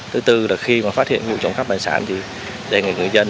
thứ tư là khi mà phát hiện vụ trộm cắp tài sản thì đề nghị người dân